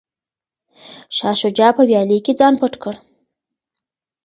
شاه شجاع په ویالې کې ځان پټ کړ.